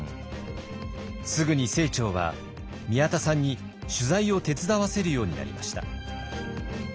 すぐに清張は宮田さんに取材を手伝わせるようになりました。